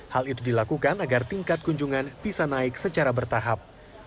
hal itu dilakukan agar tingkat kunjungan bisa naik secara bertahap